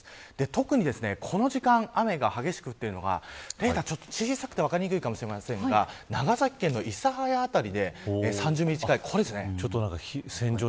特にこの時間雨が激しくというのが小さくて分かりにくいかもしれませんが長崎県の諫早辺りで３０ミリ近く。